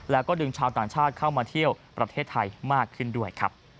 แล้วก็ดึงชาวต่างชาติเข้ามาเที่ยวประเทศไทยมากขึ้นด้วยครับ